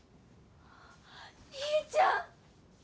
兄ちゃん！